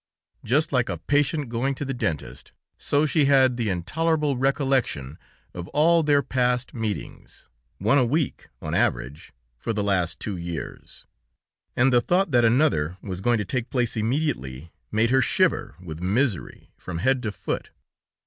Just like a patient going to the dentist, so she had the intolerable recollection of all their past meetings, one a week on an average, for the last two years; and the thought that another was going to take place immediately made her shiver with misery from head to foot.